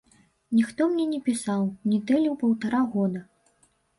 Ніхто мне не пісаў, не тэліў паўтара года.